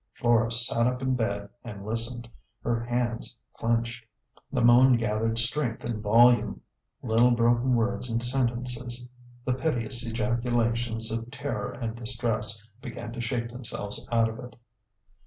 Flora sat up in bed and listened, her hands clinched. The moan gathered strength and volume ; little broken words and sentences, the piteous ejaculations of ter ror and distress, began to shape themselves out of it.